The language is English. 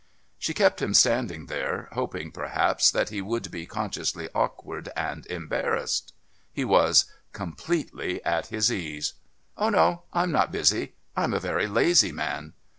She kept him standing there, hoping, perhaps, that he would be consciously awkward and embarrassed. He was completely at his ease. "Oh, no, I'm not busy. I'm a very lazy man."